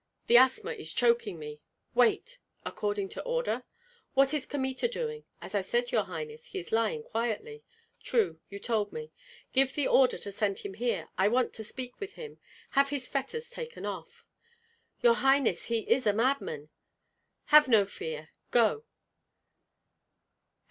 The asthma is choking me. Wait!" "According to order." "What is Kmita doing?" "As I said, your highness, he is lying quietly." "True, you told me. Give the order to send him here. I want to speak with him. Have his fetters taken off." "Your highness, he is a madman." "Have no fear, go!"